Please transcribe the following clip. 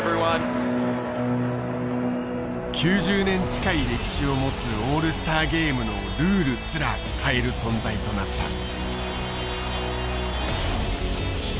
９０年近い歴史を持つオールスターゲームのルールすら変える存在となった。